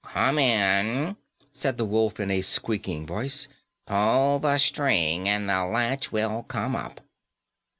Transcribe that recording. ] "Come in," said the wolf, in a squeaking voice. "Pull the string, and the latch will come up."